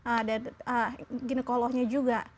ada ginekolohnya juga